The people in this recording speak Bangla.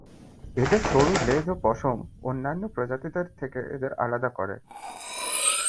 এদের সরু লেজ ও পশম অন্যান্য প্রজাতিদের থেকে এদের আলাদা করে।